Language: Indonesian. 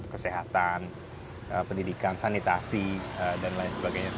kesehatan pendidikan sanitasi dan lain sebagainya